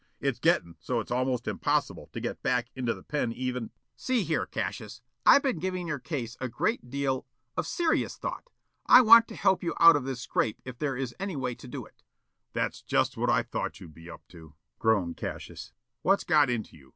It's gettin' so it's almost impossible to get back into the pen even " "See here, Cassius, I've been giving your case a great deal of serious thought. I want to help you out of this scrape if there is any way to do it." "That's just what I thought you'd be up to," groaned Cassius. "What's got into you?